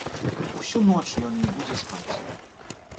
Усю ноч ён не будзе спаць!